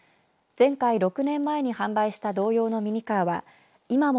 前回６年前に販売した同様のミニカーは今も